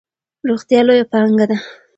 روغتیا لویه پانګه ده.